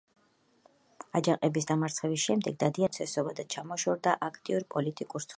აჯანყების დამარცხების შემდეგ დადიანმა დაკარგა მსახურთუხუცესობა და ჩამოშორდა აქტიურ პოლიტიკურ ცხოვრებას.